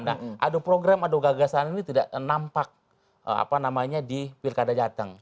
nah adu program adu gagasan ini tidak nampak di pilkada jateng